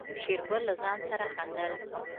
شېرګل له ځان سره خندل.